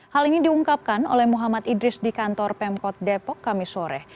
hal ini diungkapkan oleh muhammad idris di kantor pemkot depok kami sore